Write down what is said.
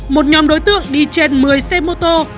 một nhóm đối tượng đi trên một mươi xe mô tô